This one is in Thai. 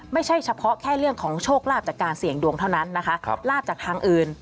ไม่ใช่เฉพาะแค่เรื่องของโชคลาภจากการเสี่ยงดวงเท่านั้นนะคะลาบจากทางอื่น